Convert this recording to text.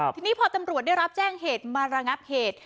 ทีนี้พอตำรวจได้รับแจ้งเหตุมาระงับเหตุ